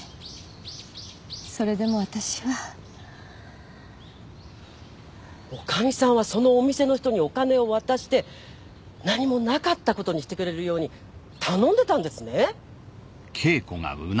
それでも私は女将さんはそのお店の人にお金を渡して何もなかったことにしてくれるように頼んでたんですね！